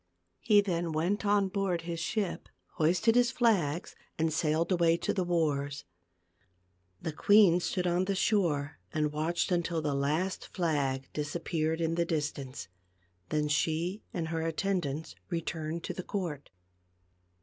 He then went on board his ship, hoisted his flags and sailed away to the wars. The queen stood on the shore and watched until the last flag disappeared in the distance, then she and her attendants returned to the court.